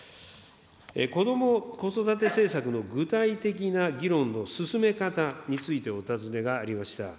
こども・子育て政策の具体的な議論の進め方についてお尋ねがありました。